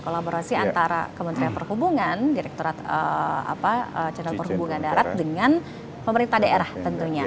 kolaborasi antara kementerian perhubungan direkturat jenderal perhubungan darat dengan pemerintah daerah tentunya